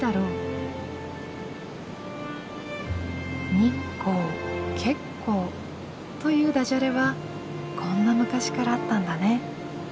「日光」「結構」というダジャレはこんな昔からあったんだね。